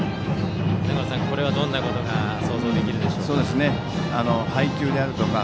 長野さん、これはどんなことが想像できるでしょうか？